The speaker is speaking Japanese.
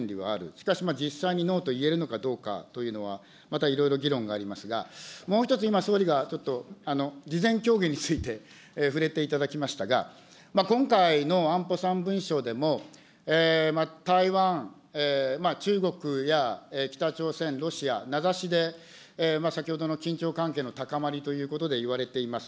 しかし、実際にノーと言えるのかどうかというのは、またいろいろ議論がありますが、もう１つ、今総理がちょっと、事前協議について触れていただきましたが、今回の安保三文書でも、台湾、中国や北朝鮮、ロシア、名指しで先ほどの緊張関係の高まりということで言われています。